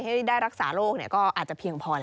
ให้ได้รักษาโรคก็อาจจะเพียงพอแล้ว